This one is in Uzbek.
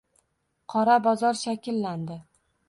Qora bozor shakllandi